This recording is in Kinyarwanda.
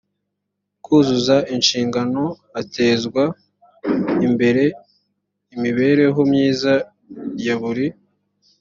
kuzuza inshingano hatezwa imbere imibereho myiza ya buri